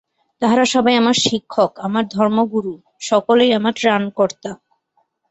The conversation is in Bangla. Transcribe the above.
তাহারা সবাই আমার শিক্ষক, আমার ধর্মগুরু, সকলেই আমার ত্রাণকর্তা।